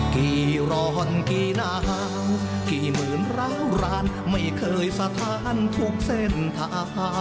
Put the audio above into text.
กี่ร้อนกี่หนาวกี่หมื่นร้าวร้านไม่เคยสถานทุกเส้นทาง